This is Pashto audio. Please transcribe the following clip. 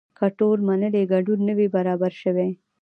که ټول منلی ګډون نه وي برابر شوی.